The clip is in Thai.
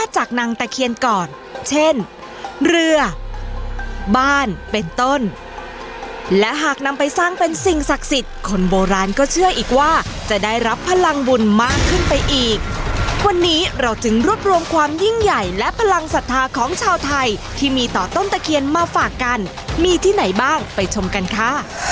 จากนางตะเคียนก่อนเช่นเรือบ้านเป็นต้นและหากนำไปสร้างเป็นสิ่งศักดิ์สิทธิ์คนโบราณก็เชื่ออีกว่าจะได้รับพลังบุญมากขึ้นไปอีกวันนี้เราจึงรวบรวมความยิ่งใหญ่และพลังศรัทธาของชาวไทยที่มีต่อต้นตะเคียนมาฝากกันมีที่ไหนบ้างไปชมกันค่ะ